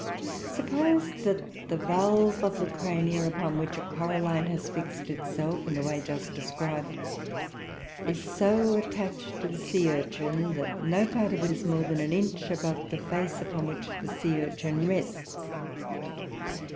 Suppose that the valve of the Cronia upon which a coralline has fixed itself in the way just described, is so attached to the sea urchin that no part of it is more than an inch above the face upon which the sea urchin rests.